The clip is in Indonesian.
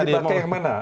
jangan dipakai yang mana